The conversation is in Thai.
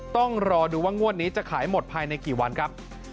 ต้องรอดูว่างวดนี้จะขายหมดภายในกี่วันครับ